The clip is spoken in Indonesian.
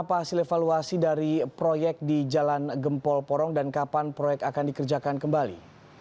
apa hasil evaluasi dari proyek di jalan gempol porong dan kapan proyek akan dikerjakan kembali